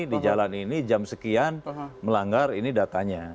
di jalan ini jam sekian melanggar ini datanya